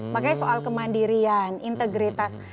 makanya soal kemandirian integritas